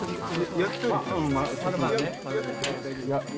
焼き鳥？